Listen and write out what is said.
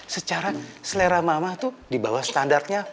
secara selera mama tuh dibawah standarnya